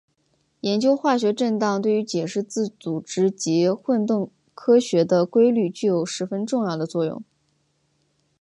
研究化学振荡对于解释自组织及混沌科学的规律具有十分重要的作用。